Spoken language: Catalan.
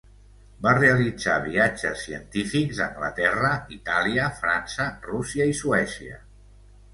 Va realitzar viatges científics a Anglaterra, Itàlia, França, Rússia i Suècia.